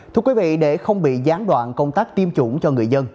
thưa quý vị để không bị gián đoạn công tác tiêm chủng cho người dân